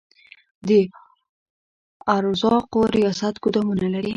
د ارزاقو ریاست ګدامونه لري؟